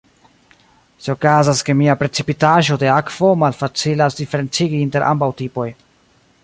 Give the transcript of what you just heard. Se okazas kemia precipitaĵo de akvo malfacilas diferencigi inter ambaŭ tipoj.